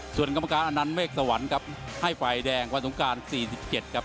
ส่วนกรรมการอนันเวกสวรรค์ครับให้ฝ่ายแดงวันตรงการสี่สิบเจ็ดครับ